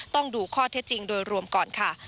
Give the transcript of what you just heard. ต้องดูข้อเท็จจริงโดยรวมก่อนค่ะ